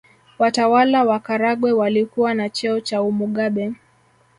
Watawala wa Karagwe walikuwa na cheo cha Umugabe